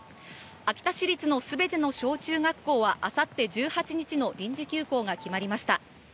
秋田市立の全ての小・中学校は明後日１８日の臨時休校が決まりました。